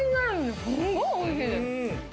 すんごいおいしいです！